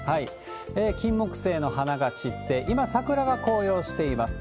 キンモクセイの花が散って、今、桜が紅葉しています。